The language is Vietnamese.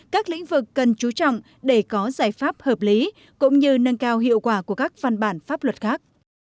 các lĩnh vực cần chú trọng để có giải pháp hợp lý cũng như nâng cao hiệu quả của các văn bản pháp luật khác